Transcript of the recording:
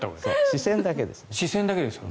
視線だけです。